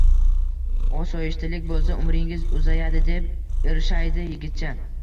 Osoyishtalik bo`lsa, umringiz uzayadi, deb irshaydi yigitcha